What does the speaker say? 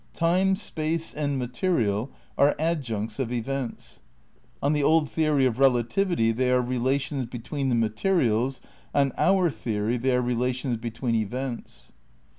Time, Space and Material are adjuncts of events. On the old theory of relativity they are relations between the materials, on our theory they are relations between events."